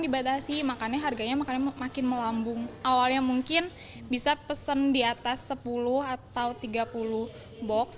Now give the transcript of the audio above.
dibatasi makanya harganya makin melambung awalnya mungkin bisa pesen di atas sepuluh atau tiga puluh box